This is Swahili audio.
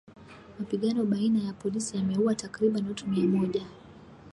Mapigano baina ya polisi yameuwa takriban watu mia moja